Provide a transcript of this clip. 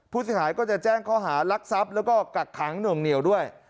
ผู้เสียหายก็จะแจ้งข้อหารักทรัพย์แล้วก็กักขังหน่วงเหนียวด้วย